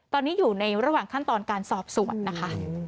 ตอนนี้อยู่ในระหว่างขั้นตอนการสอบสวนนะคะ